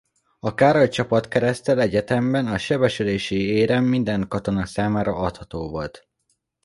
A Károly-csapatkereszttel egyetemben a sebesülési érem minden katona számára adható volt.